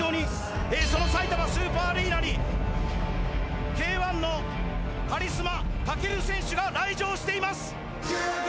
さいたまスーパーアリーナにＫ−１のカリスマ武尊選手が来場しています！